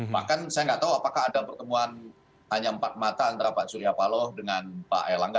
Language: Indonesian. bahkan saya nggak tahu apakah ada pertemuan hanya empat mata antara pak surya paloh dengan pak erlangga